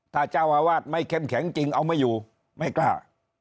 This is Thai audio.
ถ้าเจ้าอาวาสไม่เข้มแข็งจริงเอาไม่อยู่ไม่กล้า